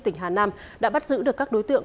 tỉnh hà nam đã bắt giữ được các đối tượng